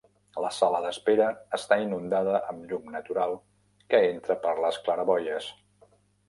La sala d'espera està inundada amb llum natural que entra per les claraboies.